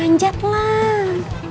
ya panjat lah